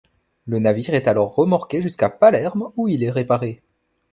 Le navire est alors remorqué jusqu’à Palerme où il est réparé.